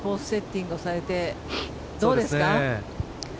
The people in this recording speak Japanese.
セッティングをされてどうですか。